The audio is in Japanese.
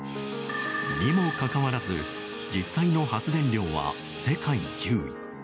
にもかかわらず実際の発電量は世界１０位。